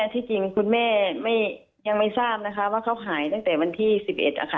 ที่จริงคุณแม่ยังไม่ทราบนะคะว่าเขาหายตั้งแต่วันที่๑๑ค่ะ